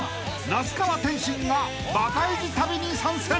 ［那須川天心がバカイジ旅に参戦］